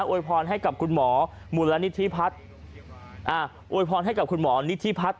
วยพรให้กับคุณหมอมูลนิธิพัฒน์อ่าอวยพรให้กับคุณหมอนิธิพัฒน์